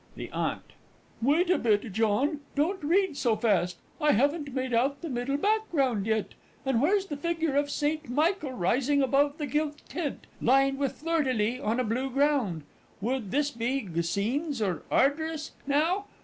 THE AUNT. Wait a bit, John don't read so fast. I haven't made out the middle background yet. And where's the figure of St. Michael rising above the gilt tent, lined with fleurs de lis on a blue ground? Would this be Guisnes, or Ardres, now?